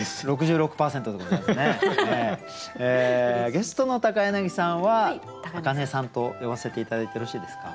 ゲストの高柳さんは明音さんと呼ばせて頂いてよろしいですか？